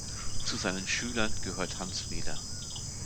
Zu seinen Schülern gehört Hans Weder.